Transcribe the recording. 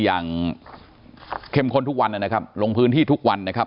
อย่างเข้มข้นทุกวันนะครับลงพื้นที่ทุกวันนะครับ